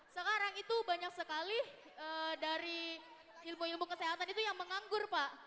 sekarang itu banyak sekali dari ilmu ilmu kesehatan itu yang menganggur pak